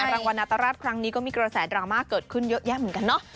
รางวัลนาตราชครั้งนี้ก็มีกระแสดราม่าเกิดขึ้นเยอะแยะเหมือนกันเนาะ